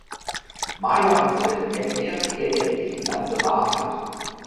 Maja und Sven erklären ihr endlich die ganze Wahrheit.